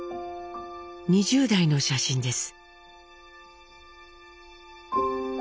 ２０代の写真です。